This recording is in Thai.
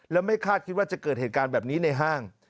แล้วไม่คาดคิดว่าจะเกิดเหตุการณ์แบบนี้ในห้าง